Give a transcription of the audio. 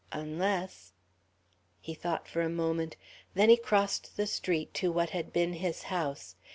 Unless.... He thought for a moment. Then he crossed the street to what had been his house.